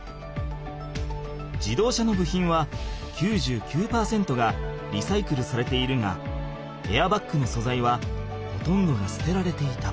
自動車の部品は９９％がリサイクルされているがエアバッグのそざいはほとんどが捨てられていた。